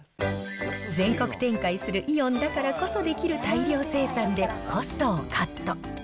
全国展開するイオンだからこそできる大量生産でコストをカット。